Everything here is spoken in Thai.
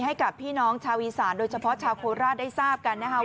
ให้กับพี่น้องชาวอีสานโดยเฉพาะชาวโคราชได้ทราบกันนะครับ